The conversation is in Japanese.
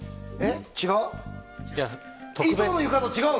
違う？